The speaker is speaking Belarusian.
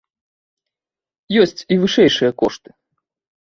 Ёсць і вышэйшыя кошты.